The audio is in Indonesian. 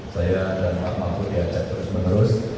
saya dan pak mahfud diajak terus menerus